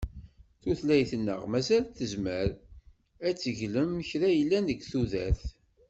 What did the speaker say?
Tutlayt-nneɣ mazal tezmer ad d-teglem kra yellan deg tudert.